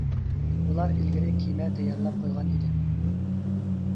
بۇلار ئىلگىرى كېمە تەييارلاپ قويغان ئىدى.